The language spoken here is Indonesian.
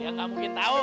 ya bantuin elu